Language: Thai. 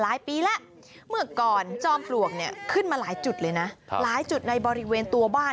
ปีแล้วเมื่อก่อนจอมปลวกเนี่ยขึ้นมาหลายจุดเลยนะหลายจุดในบริเวณตัวบ้าน